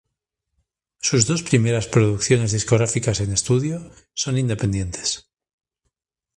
Sus dos primeras producciones discográficas en estudio, son independientes.